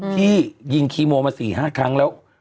ที่ยิงคีโมมา๔๕ครั้งแล้ว